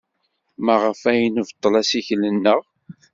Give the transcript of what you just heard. Maɣef ay nebṭel assikel-nneɣ?